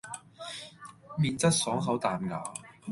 麵質爽口彈牙